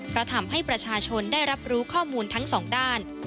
เพราะทำให้ประชาชนได้รับรู้ข้อมูลทั้งสองด้าน